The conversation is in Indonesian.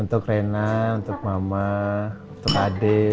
untuk rena untuk mama untuk ade